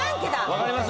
わかります？